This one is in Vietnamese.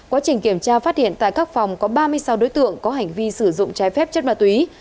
quá trình kiểm tra phát hiện tại các phòng có ba mươi sáu đối tượng có hành vi sử dụng trái phép chất ma túy